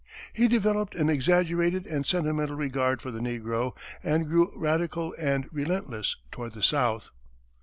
He developed an exaggerated and sentimental regard for the negro, and grew radical and relentless toward the South.